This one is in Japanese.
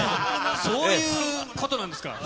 そういうことなんですか。